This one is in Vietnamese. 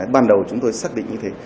ban đầu chúng tôi xác định như thế